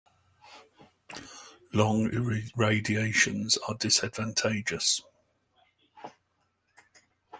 Long irradiations are disadvantageous.